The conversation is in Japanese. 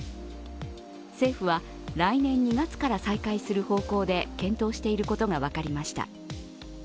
政府は来年２月から再開する方向で検討していることが分かりました。